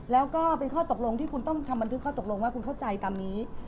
แล้วก็เป็นข้อตกลงที่คุณต้องทำบันทึกข้อตกลงว่าคุณเข้าใจตามนี้